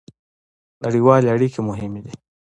نړیوالې اړیکې مهمې دي